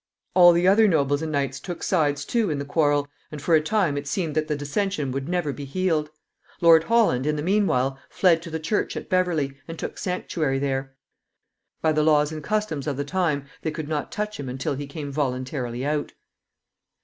All the other nobles and knights took sides too in the quarrel, and for a time it seemed that the dissension would never be healed. Lord Holland, in the mean while, fled to the church at Beverley, and took sanctuary there. By the laws and customs of the time, they could not touch him until he came voluntarily out.